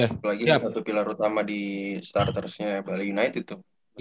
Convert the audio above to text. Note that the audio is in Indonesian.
apalagi satu pilar utama di startersnya bali united tuh